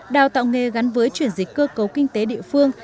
đào tạo nghề gắn với chuyển dịch cơ cấu kinh tế địa phương